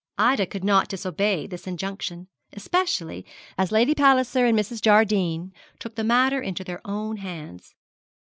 Ida could not disobey this injunction, especially as Lady Palliser and Mrs. Jardine took the matter into their own hands.